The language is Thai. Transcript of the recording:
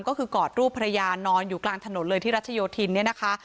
ก็คือกอดรูปภรรยานอนอยู่กลางถนนเลยที่รัชโยธินเนี่ยนะคะ